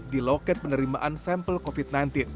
di loket penerimaan sampel covid sembilan belas